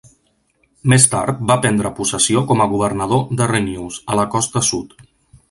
Més tard, va prendre possessió com a governador de Renews, a la Costa Sud.